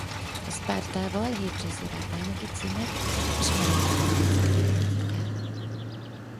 A Spartával hét csehszlovák bajnoki címet és három kupagyőzelmet ért el.